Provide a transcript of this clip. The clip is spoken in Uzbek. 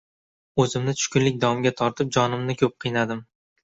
O`zimni tushkunlik domiga tortib, jonimni ko`p qiynadim